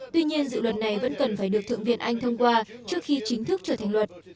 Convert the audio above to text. tuy nhiên dự luật này vẫn cần phải được thượng viện anh thông qua trước khi chính thức trở thành luật